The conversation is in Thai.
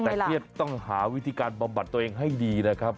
แต่เครียดต้องหาวิธีการบำบัดตัวเองให้ดีนะครับ